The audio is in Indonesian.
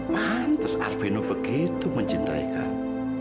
pantes arvino begitu mencintaikan